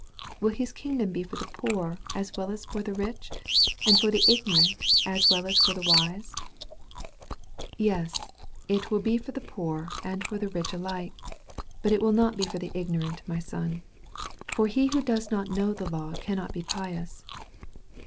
"Will His kingdom be for the poor as well as for the rich, and for the ignorant as well as for the wise?" 804 a •E ja I THE BOY OP NAZAEETH DREAMS "Yes, it will be for the poor and for the rich alike. But it will not be for the ignorant, my son. For he who does not know the law cannot be pious."